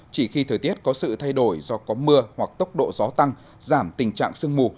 chỉ khi thời tiết có sự thay đổi do có mưa hoặc tốc độ gió tăng giảm tình trạng sương mù